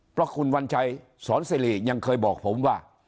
เพราะคุณวัญชัยสอนสิริยังเคยบอกผมว่า